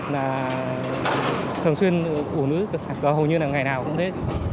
là thường xuyên ổn ứ hầu như là ngày nào cũng thế